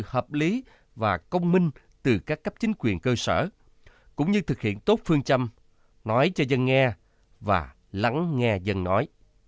hợp lý và công minh từ các cấp chính quyền cơ sở cũng như thực hiện tốt phương châm nói cho dân nghe và lắng nghe dân nói